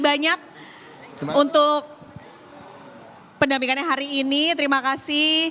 bapak ibu terima kasih banyak untuk pendampingannya hari ini terima kasih